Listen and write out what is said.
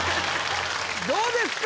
どうですか？